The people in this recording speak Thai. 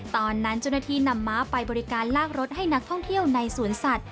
ตอนนั้นเจ้าหน้าที่นำม้าไปบริการลากรถให้นักท่องเที่ยวในสวนสัตว